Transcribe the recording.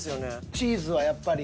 チーズはやっぱり。